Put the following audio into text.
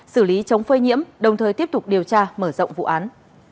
xử lý chống phơi nhiễm đồng thời tiếp tục điều tra mở rộng vụ án